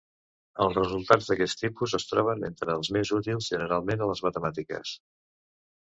Els resultats d"aquest tipus es troben entre els més útils generalment a les matemàtiques.